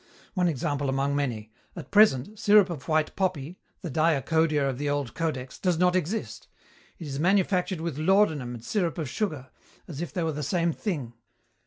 One example among many: at present, sirup of white poppy, the diacodia of the old Codex, does not exist. It is manufactured with laudanum and sirup of sugar, as if they were the same thing!